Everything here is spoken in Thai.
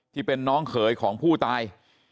ที่เป็นน้องเขยของผู้ตาย